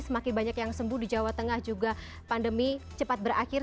semakin banyak yang sembuh di jawa tengah juga pandemi cepat berakhir